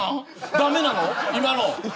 駄目なの今の。